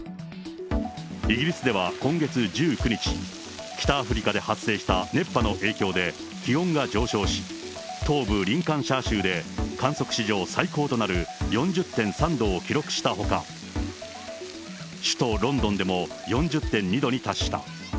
イギリスでは今月１９日、北アフリカで発生した熱波の影響で、気温が上昇し、東部リンカンシャー州で観測史上最高となる４０．３度を記録したほか、首都ロンドンでも４０．２度に達した。